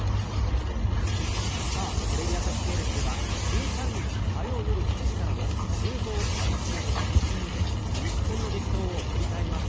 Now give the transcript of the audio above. テレビ朝日系列では１３日、火曜夜７時からの「修造＆一茂のイミシン」にて日本の激闘を振り返ります。